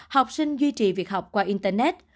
học sinh duy trì việc học qua internet